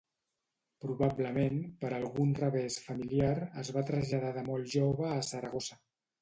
Probablement per algun revés familiar es va traslladar de molt jove a Saragossa.